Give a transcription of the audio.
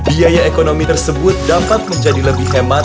biaya ekonomi tersebut dapat menjadi lebih hemat